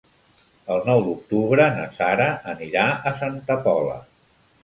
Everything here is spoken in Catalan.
El nou d'octubre na Sara anirà a Santa Pola.